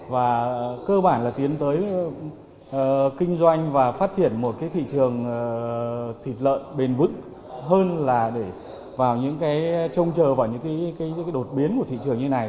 và cơ bản là tiến tới kinh doanh và phát triển một cái thị trường thịt lợn bền vững hơn là để vào những cái trông chờ vào những cái đột biến của thị trường như này